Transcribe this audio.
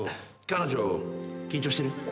彼女緊張してる？